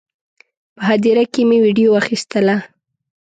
په هدیره کې مې ویډیو اخیستله.